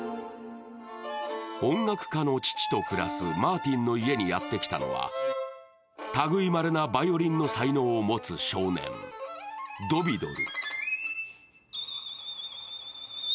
音楽家の父と暮らすマーティンの家にやってきたのは類まれなヴァイオリンの才能を持つ少年・ドヴィドル。